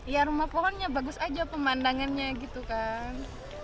ya rumah pohonnya bagus aja pemandangannya gitu kan